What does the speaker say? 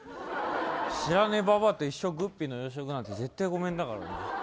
知らねえババアと一生、グッピーの養殖なんて絶対ごめんだからな。